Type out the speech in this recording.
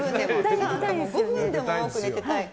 ５分でも多く寝ていたい。